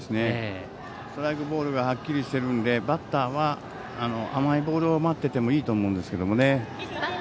ストライク、ボールがはっきりしているのでバッターは甘いボールを待っててもいいと思うんですけどね。